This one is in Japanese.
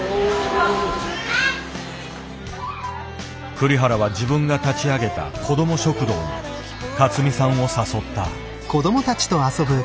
栗原は自分が立ち上げた子ども食堂に勝美さんを誘った。